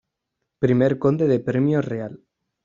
Primer Conde de Premio Real.